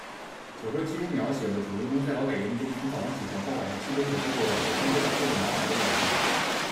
小说集中描写了主人公在劳改营中从早上起床到晚上熄灯所度过的普通而又难熬的一天。